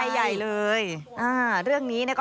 ไม่พอใจใหญ่เลยเรื่องนี้เน่าะค่ะ